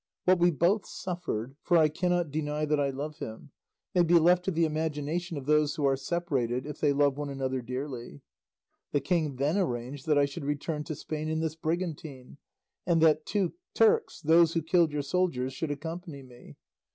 What we both suffered (for I cannot deny that I love him) may be left to the imagination of those who are separated if they love one another dearly. The king then arranged that I should return to Spain in this brigantine, and that two Turks, those who killed your soldiers, should accompany me.